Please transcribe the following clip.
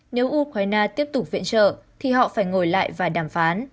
nếu ukraine tiếp tục viện trợ thì họ phải ngồi lại và đàm phán